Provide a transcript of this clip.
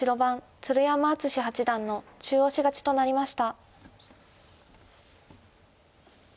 鶴山淳志八段の中押し勝ちとなりました。